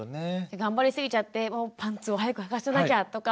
頑張りすぎちゃってもうパンツを早くはかせなきゃとか。